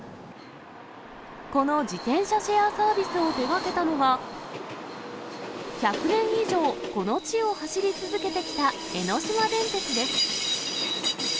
この自転車シェアサービスを手がけたのは、１００年以上、この地を走り続けてきた江ノ島電鉄です。